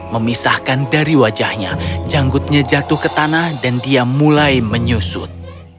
memisahkan dari wajahnya janggutnya jatuh ke tanah dan dia mulai menyusut